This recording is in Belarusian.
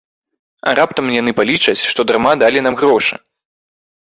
А раптам яны палічаць, што дарма далі нам грошы?